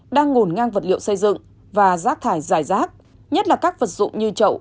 đang ngồn ngang vật liệu xây dựng và rác thải dài rác nhất là các vật dụng như chậu